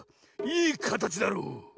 いいかたちだろう。